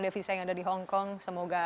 devisa yang ada di hongkong semoga